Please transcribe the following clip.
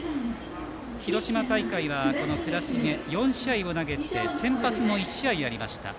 広島大会はこの倉重４試合を投げて先発も１試合ありました。